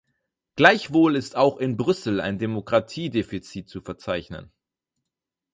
Gleichwohl ist auch in Brüssel ein Demokratiedefizit zu verzeichnen.